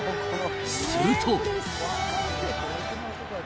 すると。